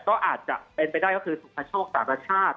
ก็อาจจะเป็นไปได้ก็คือสุภาโชคสารชาติ